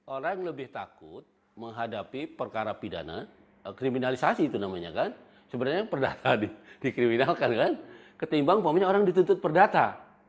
orang lebih takut menghadapi perkara pidana kriminalisasi itu namanya kan sebenarnya perdata dikriminalkan kan ketimbang orang dituntut perdata